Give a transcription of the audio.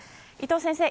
伊藤先生